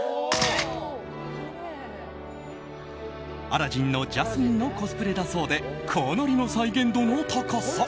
「アラジン」のジャスミンのコスプレだそうでかなりの再現度の高さ！